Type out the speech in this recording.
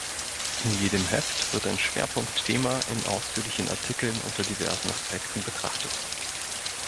In jedem Heft wird ein Schwerpunktthema in ausführlichen Artikeln unter diversen Aspekten betrachtet.